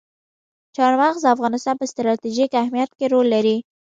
چار مغز د افغانستان په ستراتیژیک اهمیت کې رول لري.